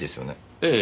ええ